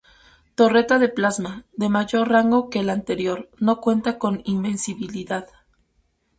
Torreta de plasma: De mayor rango que el anterior, no cuenta con invencibilidad.